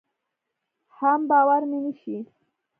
حم باور مې نشي.